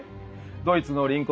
ドイツの隣国